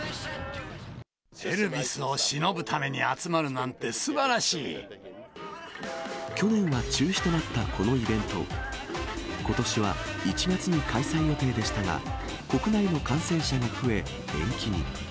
エルビスをしのぶために集ま去年は中止となったこのイベント、ことしは１月に開催予定でしたが、国内の感染者が増え、延期に。